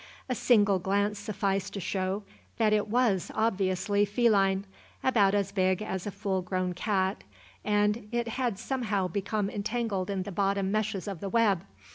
A single glance sufficed to show that it was obviously feline, about as big as a full grown cat; and it had somehow become entangled in the bottom meshes of the web.